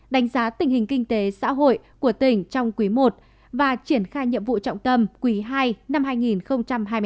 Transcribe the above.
đánh giá tình hình kinh tế xã hội của tỉnh trong quý i và triển khai nhiệm vụ trọng tâm quý ii năm hai nghìn hai mươi bốn